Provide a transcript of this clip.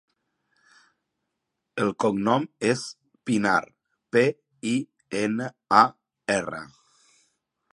El cognom és Pinar: pe, i, ena, a, erra.